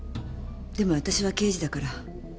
でもわたしは刑事だから。